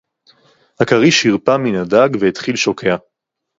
הַכָּרִישׁ הִרְפָּה מִן הַדָּג וְהִתְחִיל שׁוֹקֵעַ